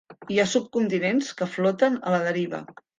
Hi ha subcontinents que floten a la deriva.